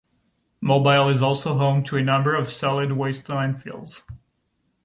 Mobile is also home to a number of solid-waste landfills.